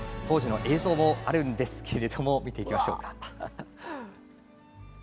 当時の映像もあるんですけども見ていきましょうか。